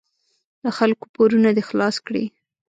د خلکو پورونه دې خلاص کړي.